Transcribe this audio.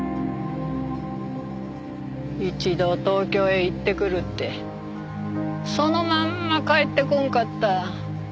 一度東京へ行ってくるってそのまんま帰って来んかった。